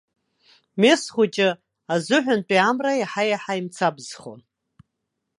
Мес хәыҷы азыҳәантәи амра иаҳа-иаҳа имцабзхон.